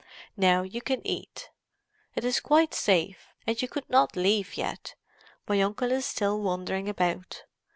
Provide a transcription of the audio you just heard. "Now you can eat. It is quite safe, and you could not leave yet; my uncle is still wandering about.